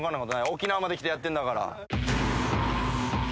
沖縄まで来てやってんだから。